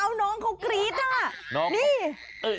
เอาน้องเขากรี๊ดอ่ะนี่